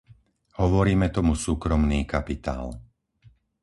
Hovoríme tomu súkromný kapitál.